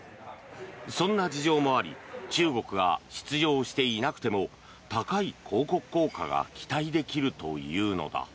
そんな事情もあり中国が出場していなくても高い広告効果が期待できるというのだ。